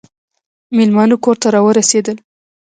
مېلمانه کور ته راورسېدل .